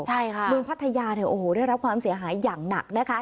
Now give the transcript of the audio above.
เมืองพัทยาได้รับความเสียหายอย่างหนักนะคะ